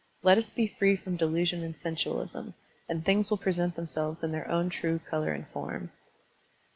Let us be free from delusion and sensualism, and things will present themselves in their own true color and form.